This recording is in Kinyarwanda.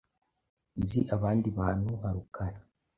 Nzi abandi bantu nka Rukara .